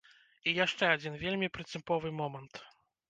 І яшчэ адзін вельмі прынцыповы момант.